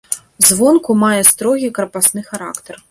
Звонку мае строгі крапасны характар.